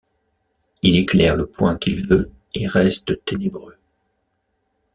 Il éclaire le point qu’il veut, et reste ténébreux.